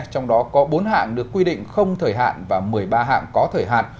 trong đó có bốn hạng được quy định không thời hạn và một mươi ba hạng có thời hạn